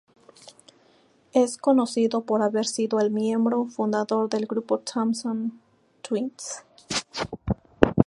Es conocido por haber sido el miembro fundador del grupo Thompson Twins.